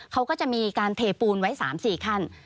เขาก็จะมีการเทปูนไว้๓๔ขั้น